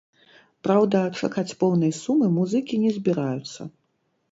Праўда, чакаць поўнай сумы музыкі не збіраюцца.